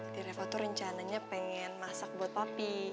di reva tuh rencananya pengen masak buat papi